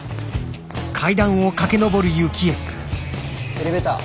エレベーター。